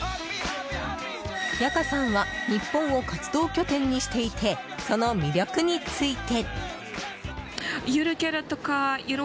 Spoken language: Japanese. ヤカさんは日本を活動拠点にしていてその魅力について。